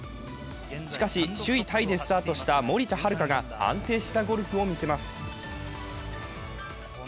しかし、首位タイでスタートした森田遥が安定したゴルフを見せます。